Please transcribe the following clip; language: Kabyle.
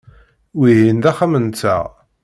Wihin d axxam-nteɣ.